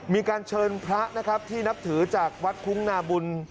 มีการเชิญพระนะครับที่นับถือจากวัดคุ้งนาบุญ